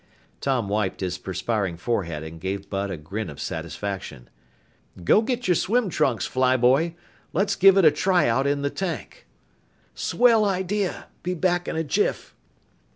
Tom wiped his perspiring forehead and gave Bud a grin of satisfaction. "Go get your swim trunks, fly boy. Let's give it a tryout in the tank." "Swell idea! Be back in a jiff!"